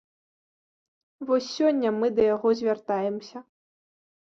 Вось сёння мы да яго звяртаемся.